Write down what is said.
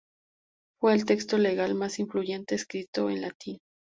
Fue el texto legal más influyente escrito en latín.